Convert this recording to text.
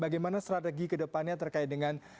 bagaimana strategi ke depannya terkait dengan